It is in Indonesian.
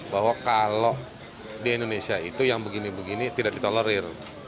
bahwa kalau di indonesia itu yang begini begini tidak ditolerir